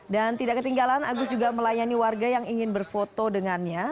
tidak ketinggalan agus juga melayani warga yang ingin berfoto dengannya